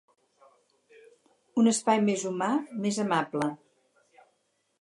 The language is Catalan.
Un espai més humà, més amable.